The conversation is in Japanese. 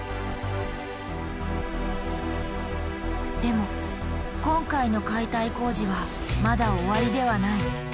でも今回の解体工事はまだ終わりではない。